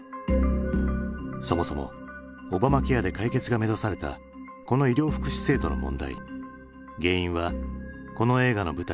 そもそもオバマケアで解決が目指されたこの医療福祉制度の問題原因はこの映画の舞台